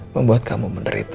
membuat kamu menderita